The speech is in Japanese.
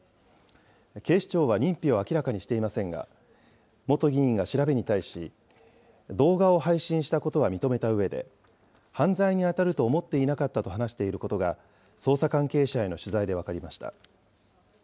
警視庁は認否を明らかにしていませんが、元議員が調べに対し、動画を配信したことは認めたうえで、犯罪に当たると思っていなかったと話していることが、捜査関係者への取材で分かりました。